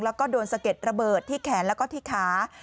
แล้วก็โดนสะเก็ดระเบิดที่แขนแล้วก็ที่ขา